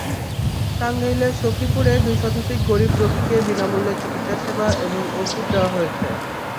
টাঙ্গাইলের সখীপুরে দুই শতাধিক গরিব রোগীকে বিনা মূল্যে চিকিৎসাসেবা এবং ওষুধ দেওয়া হয়েছে।